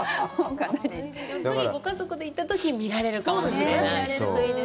次、ご家族と行ったときに見られるかもしれない。